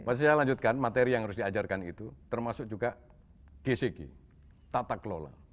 pasti saya lanjutkan materi yang harus diajarkan itu termasuk juga gcg tata kelola